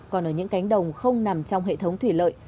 còn ở những cánh đồng không nằm trong hệ thống thủy lợi